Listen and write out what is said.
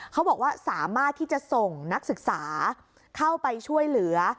เขาบอกว่าสามารถที่จะส่งนักศึกษาเข้าไปช่วยเหลือ